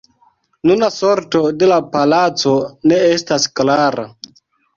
Nuna sorto de la palaco ne estas klara.